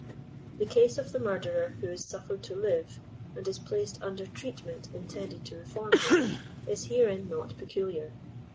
The case of the murderer who is suffered to live, and is placed under treatment intended to reform him, is here* in not peculiar.